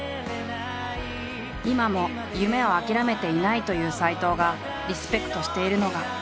今も夢を諦めていないという斎藤がリスペクトしているのが。